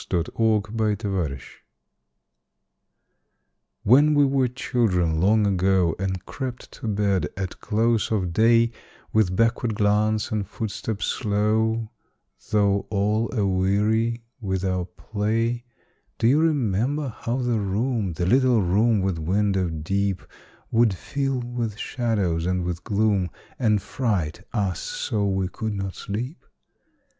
THE GHOSTS OF NIGHT. When we were children, long ago, And crept to bed at close of day, With backward glance and footstep slow, Though all aweary with our play, Do you remember how the room The little room with window deep Would fill with shadows and with gloom, And fright us so we could not sleep?